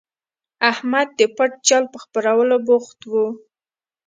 احمد د پټ جال په خپرولو بوخت وو.